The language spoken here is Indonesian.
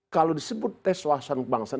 kalau disebut tes wawasan kebangsaan